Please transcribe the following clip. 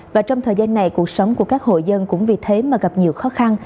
và trong thời gian này cuộc sống của các hộ dân cũng vì thế mà gặp nhiều khó khăn